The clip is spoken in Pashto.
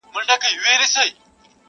راته مه ګوره میدان د ښکلیو نجونو!